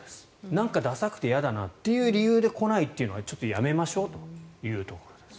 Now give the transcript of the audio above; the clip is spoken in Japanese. なんかダサくてやだなっていう理由で来ないというのはちょっとやめましょうというところです。